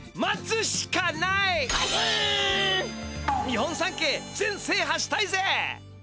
日本三景全せいはしたいぜ！